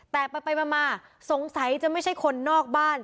แต่ไปมาสงสัยจะไม่ใช่คนนอกบ้าน